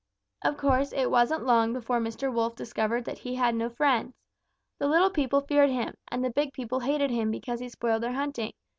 "Of course, it wasn't long before Mr. Wolf discovered that he had no friends. The little people feared him, and the big people hated him because he spoiled their hunting.